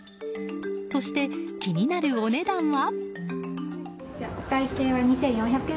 そして、気になるお値段は。